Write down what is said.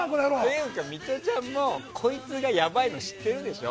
ていうか、ミトちゃんもこいつがやばいの知ってるでしょ。